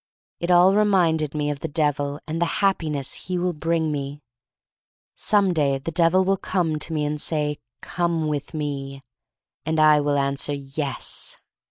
It all reminded me of the Devil and the Happiness he will bring me. Some day the Devil will come to me and say: "Come with me." And I will answer: "Yes."